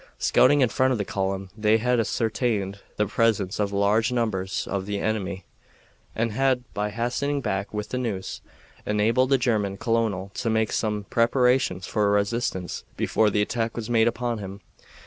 Scouting in front of the column, they had ascertained the presence of large numbers of the enemy, and had, by hastening back with the news, enabled the German colonel to make some preparations for resistance before the attack was made upon him.